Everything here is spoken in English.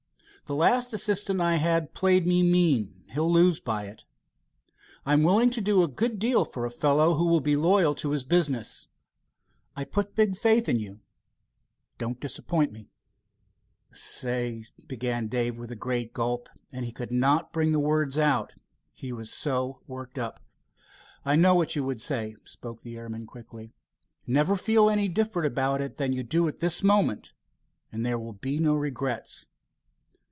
The last assistant I had played me mean. He'll lose by it. I'm willing to do a good deal for a fellow who will be loyal to his business. I put big faith in you. Don't disappoint me." "Say," began Dave in a great gulp, and he could not bring the words out, he was so worked up. "I know what you would say," spoke the airman quickly. "Never feel any different about it than you do at this moment, and there will be no regrets."